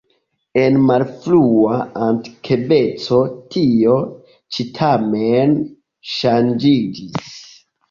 En la malfrua antikveco tio ĉi tamen ŝanĝiĝis.